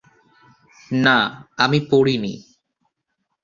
না, আমি পড়ি নি।